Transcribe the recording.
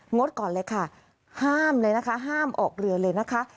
ดก่อนเลยค่ะห้ามเลยนะคะห้ามออกเรือเลยนะคะ